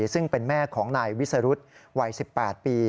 ซึ่งเป็นแม่ของนายวิสรุธวัย๑๘ปี